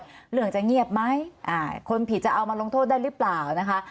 เรื่องจะเงียบไหมคนผิดจะเอามาลงโทษได้หรือเปล่านะคะ